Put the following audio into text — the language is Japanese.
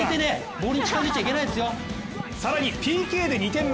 更にＰＫで２点目。